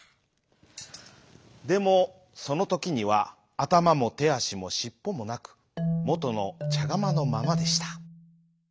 でもそのときにはあたまもてあしもしっぽもなくもとのちゃがまのままでした。